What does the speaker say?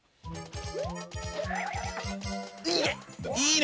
いいね！